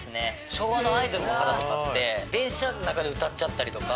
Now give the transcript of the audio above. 昭和のアイドルの方とかって電車の中とかで歌ったりとか。